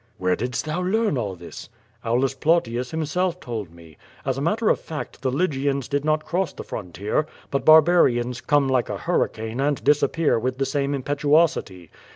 "Where didst thou learn all this?" "Aulus Plautius himself told me. As a matter of fact, the Lygians did not cross the frontier, but barbarians come like a hurricane^ and disappear with the same impetuosity.